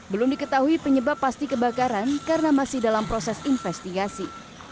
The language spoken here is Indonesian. belum diketahui penyebab pasti kebakaran karena masih dalam proses investigasi